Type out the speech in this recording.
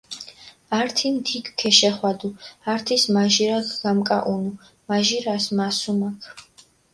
ართი ნდიქ ქეშეხვადუ, ართის მაჟირაქ გამკაჸუნუ, მაჟირას მასუმაქ.